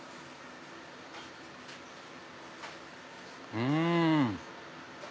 うん！